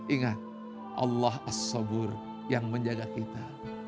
ingat allah as sobur yang menjaga kita